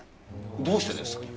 どうしてですか？